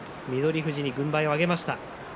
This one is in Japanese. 富士に軍配を上げました。